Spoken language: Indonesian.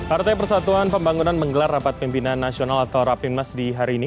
partai persatuan pembangunan menggelar rapat pimpinan nasional atau rapimnas di hari ini